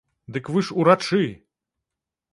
Дык вы ж урачы!